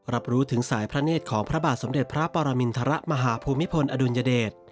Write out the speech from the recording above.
รับรู้ถึงสายพระเนธของพระบาทสมเด็จพระปรมินทรมาฮภูมิพลอดุลยเดช